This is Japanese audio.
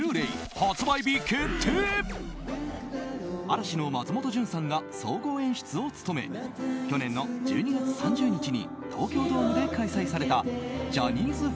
嵐の松本潤さんが総合演出を務め去年の１２月３０日に東京ドームで開催されたＪｏｈｎｎｙ